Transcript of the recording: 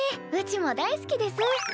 うちも大好きです。